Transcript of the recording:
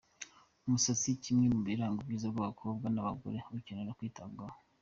Umusatsi kimwe mu biranga ubwiza bw’abakobwa n’abagore, ukenera kwitabwaho.